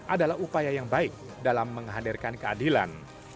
adalah upaya yang baik dalam menghadirkan keadilan